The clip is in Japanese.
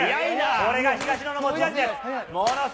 これが東野の持ち味です。